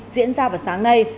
diễn ra vào sáng nay